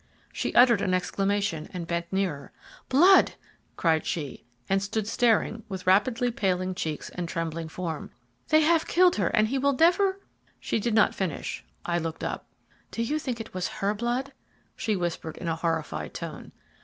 She uttered an exclamation and bent nearer. "Blood!" cried she, and stood staring, with rapidly paling cheeks and trembling form. "They have killed her and he will never " As she did not finish I looked up. "Do you think it was her blood?" she whispered in a horrified tone.